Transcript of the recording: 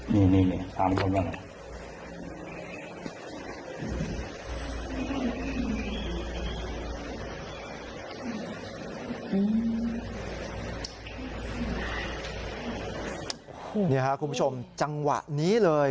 นี่ค่ะคุณผู้ชมจังหวะนี้เลย